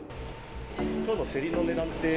きょうの競りの値段って。